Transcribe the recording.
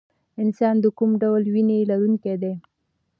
انسان د کوم ډول وینې لرونکی دی